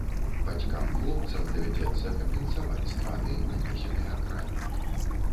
Бацькам хлопцам давядзецца кампенсаваць страты, нанесеныя краме.